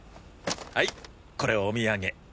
はいこれお土産。